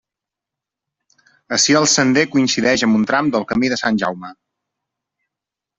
Ací el sender coincideix amb un tram del Camí de Sant Jaume.